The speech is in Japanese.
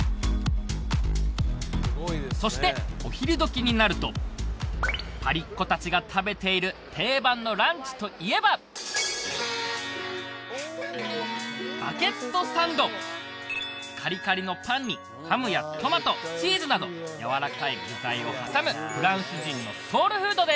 そしてお昼どきになるとパリっ子達が食べている定番のランチといえばカリカリのパンにハムやトマトチーズなどやわらかい具材を挟む